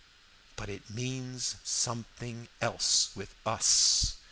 But it means something else with us.